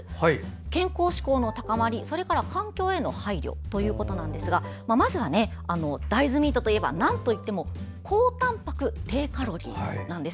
健康志向の高まりそれから環境への配慮ということですがまずは、大豆ミートといえばなんといっても高たんぱく低カロリーなんです。